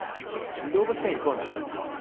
動物園行こうな。